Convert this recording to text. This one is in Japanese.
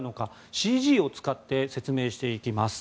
ＣＧを使って説明していきます。